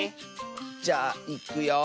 じゃあいくよ。